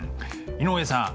井上さん